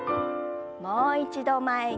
もう一度前に。